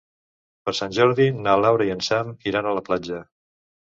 Per Sant Jordi na Laura i en Sam iran a la platja.